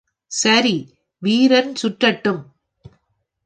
சரி, வீரன் சுற்றட்டும்.